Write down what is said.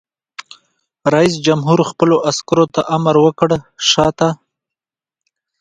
رئیس جمهور خپلو عسکرو ته امر وکړ؛ شاته!